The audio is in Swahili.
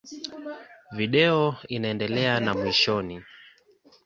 Video inaendelea na mwishoni.